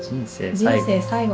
人生最後。